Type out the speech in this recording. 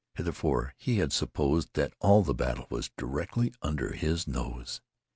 Heretofore he had supposed that all the battle was directly under his nose.